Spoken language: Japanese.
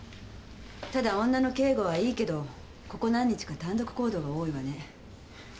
ただ女の警護はいいけどここ何日か単独行動が多いわね。